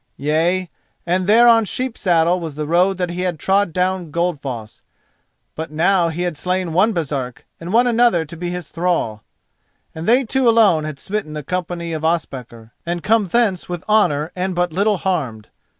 Yea, and there on Sheep saddle was the road that he had trod down Goldfoss; and but now he had slain one Baresark and won another to be his thrall, and they two alone had smitten the company of Ospakar, and come thence with honour and but little harmed.